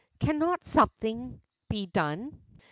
Cannot something he done